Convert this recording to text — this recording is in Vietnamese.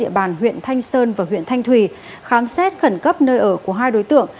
điện thoại huyện thanh sơn và huyện thanh thủy khám xét khẩn cấp nơi ở của hai đối tượng